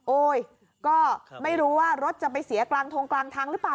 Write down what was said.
โอ้ยก็ไม่รู้ว่ารถจะไปเสียกลางทงกลางทางหรือเปล่า